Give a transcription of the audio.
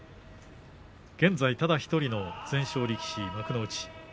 現在ただ１人の全勝力士、幕内。